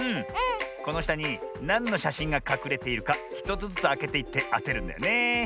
このしたになんのしゃしんがかくれているか１つずつあけていってあてるんだよねえ。